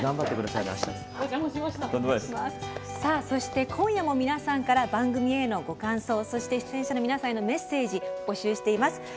そして、今夜も皆さんから番組へのご感想、そして出演者の皆さんへのメッセージ募集しています。